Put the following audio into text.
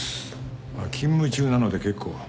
勤務中なので結構。